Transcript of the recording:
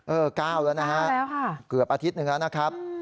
๙แล้วนะฮะเกือบอาทิตย์หนึ่งแล้วนะครับ